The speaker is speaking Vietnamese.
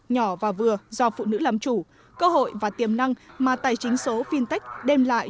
nhỏ và vừa do phụ nữ làm chủ cơ hội và tiềm năng mà tài chính số fintech đem lại